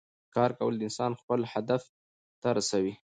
کار کول انسان خپل هدف ته رسوي